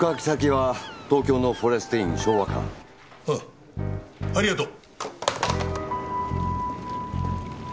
ああありがとう。